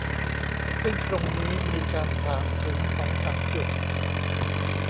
ซึ่งตรงนี้มีการถามถึงสองสามจุด